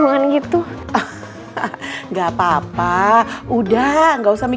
insya allah ustazah